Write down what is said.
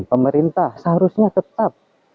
pemerintah seharusnya tetap